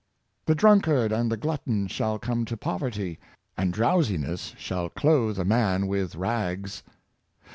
" The drunkard and the glutton shall come to poverty; and drowsiness shall clothe a man with rags."